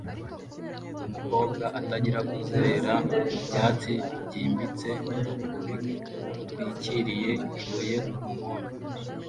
Umukobwa atangira kuzerera mu byatsi byimbitse bitwikiriye ibuye ku nkombe